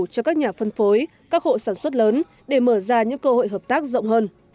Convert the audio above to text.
cho các nhà phân phối các hộ sản xuất lớn để mở ra những cơ hội hợp tác rộng hơn